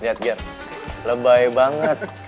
liat gir lebay banget